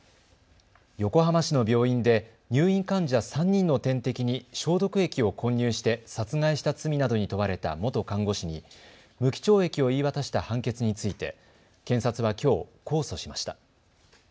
横浜市の病院で入院患者３人の点滴に消毒液を混入して殺害した罪などに問われた元看護師に無期懲役を言い渡した判決について検察はきょう、控訴しました。